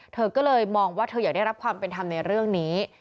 เธอก็เลยมองว่าเธออยากได้รับความเป็นธรรมในเรื่องนี้